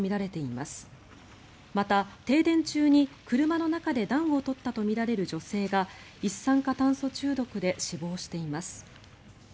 また、停電中に車の中で暖を取ったとみられる女性が一酸化炭素中毒で死亡しています。